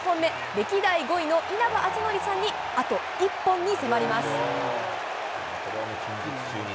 歴代５位の稲葉篤紀さんに、あと１本に迫ります。